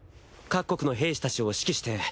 各国の兵士たちを指揮して。